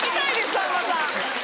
さんまさん。